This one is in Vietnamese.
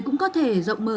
cũng có thể rộng mở